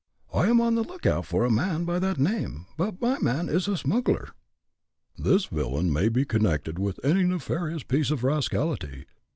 "I am on the look out for a man by that name. But my man is a smuggler." "This villain may be connected with any nefarious piece of rascality.